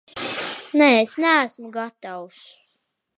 Nē, es neesmu gatavs.